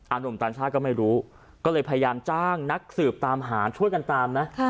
หนุ่มต่างชาติก็ไม่รู้ก็เลยพยายามจ้างนักสืบตามหาช่วยกันตามนะ